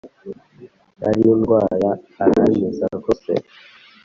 Nari ndway’arankiza rwose